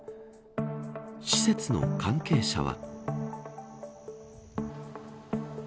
施設の関係者は。